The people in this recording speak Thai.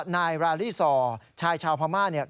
นายราลีซอร์ชายชาวพม่า